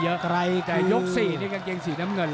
หรือว่าผู้สุดท้ายมีสิงคลอยวิทยาหมูสะพานใหม่